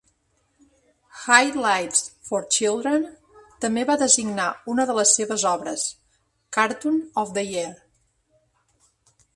Highlights for Children també va designar una de les seves obres "Cartoon of the Year".